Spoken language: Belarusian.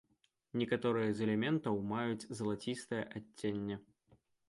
Некаторыя з элементаў маюць залацістае адценне.